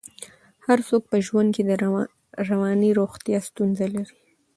هر څوک په ژوند کې د رواني روغتیا ستونزه لري.